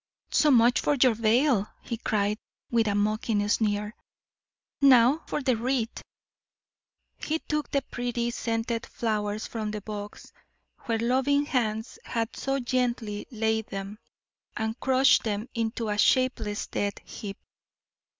"So much for your veil!" he cried, with a mocking sneer. "Now for the wreath!" He took the pretty, scented flowers from the box, where loving hands had so gently laid them, and crushed them into a shapeless, dead heap.